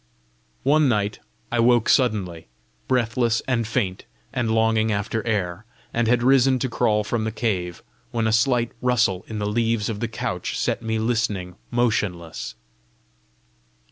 One night I woke suddenly, breathless and faint, and longing after air, and had risen to crawl from the cave, when a slight rustle in the leaves of the couch set me listening motionless.